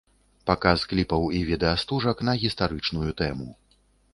Паказ кліпаў і відэастужак на гістарычную тэму.